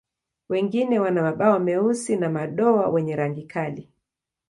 Wengine wana mabawa meusi na madoa wenye rangi kali.